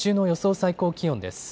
最高気温です。